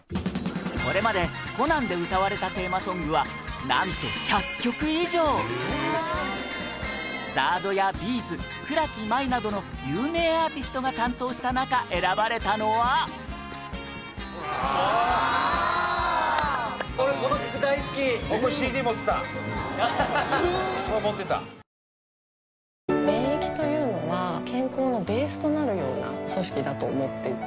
これまで『コナン』で歌われたテーマソングはなんと、１００曲以上ＺＡＲＤやＢ’ｚ倉木麻衣などの有名アーティストが担当した中選ばれたのは免疫というのは健康のベースとなるような組織だと思っていて。